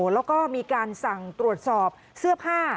แล้วก็มีการสั่งตรวจสอบเสื้อผ้า